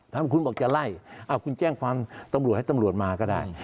ถ้าคุณบอกจะไล่คุณแจ้งความตำรวจให้ตำรวจมาก็ได้